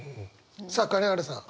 さあ金原さん。